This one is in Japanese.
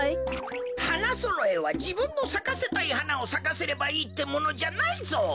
花そろえはじぶんのさかせたいはなをさかせればいいってものじゃないぞ。